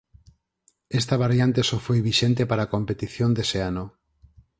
Esta variante só foi vixente para a competición dese ano.